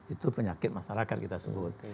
itu penyakit masyarakat kita sebut